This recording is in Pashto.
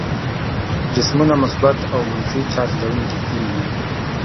جسمونه مثبت او منفي چارج لرونکي کیږي.